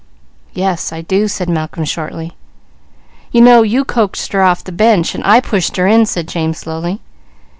"Yes I do," said Malcolm shortly. "You know you coaxed her off the bench, and I pushed her in!" said James, slowly.